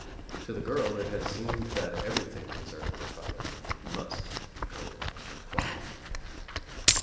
To the girl it had seemed that everything concerning her father must be cold and quiet.